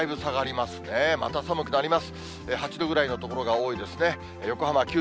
また寒くなります。